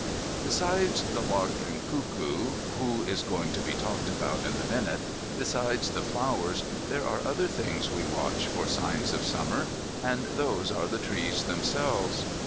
Besides the lark and cuckoo, who is going to be talked about in a minute, besides the flowers, there are other things we watch for signs of Summer, and those are the trees themselves.